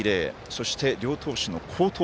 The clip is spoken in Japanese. そして、両投手の好投。